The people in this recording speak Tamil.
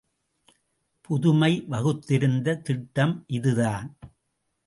பதுமை வகுத்திருந்த திட்டம் இதுதான்!